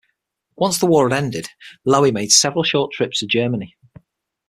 Once the war had ended, Lowie made several short trips to Germany.